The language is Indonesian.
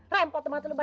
rempok teman lo pada